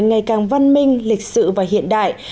ngày càng văn minh lịch sự và hiện đại